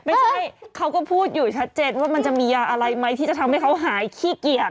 ไม่ใช่เขาก็พูดอยู่ชัดเจนว่ามันจะมียาอะไรไหมที่จะทำให้เขาหายขี้เกียจ